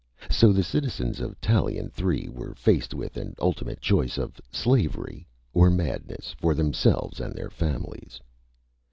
So the citizens of Tallien Three were faced with an ultimate choice of slavery, or madness, for themselves and their families.